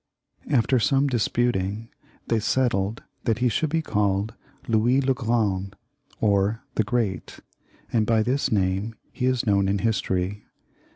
After some disputing they settled that he should be called Louis le Grand, or the Great, and by this name he is known in history.